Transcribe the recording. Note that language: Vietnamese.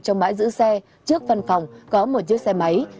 trong bãi giữ xe trước văn phòng có một chiếc xe máy